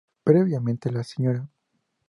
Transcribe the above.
Previamente, la Sra.